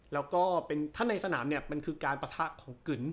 แล้วก็ถ้าในสนามเนี่ยมันคือการปะทะของกึ๋น